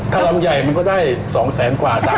ถ้าลำใหญ่มันก็ได้๒แสนกว่า